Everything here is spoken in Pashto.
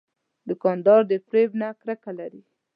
دوکاندار د فریب نه کرکه لري.